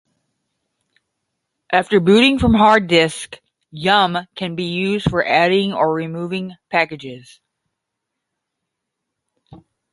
After booting from hard disk, yum can be used for adding or removing packages.